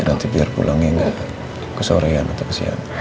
ya nanti biar pulangnya gak kesorean atau kesian